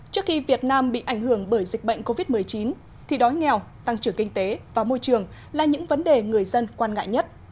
trước khi việt nam bị ảnh hưởng bởi dịch bệnh covid một mươi chín thì đói nghèo tăng trưởng kinh tế và môi trường là những vấn đề người dân quan ngại nhất